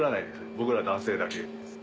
僕ら男性だけです。